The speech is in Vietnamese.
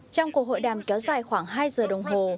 trong cuộc hội đàm kéo dài khoảng hai giờ đồng hồ